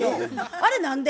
あれ何で？